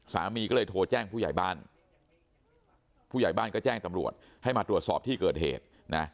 สามีก็เลยโทรแจ้งผู้ใหญ่บ้านผู้ใหญ่บ้านก็แจ้งตำรวจให้มาตรวจสอบที่เกิดเหตุนะ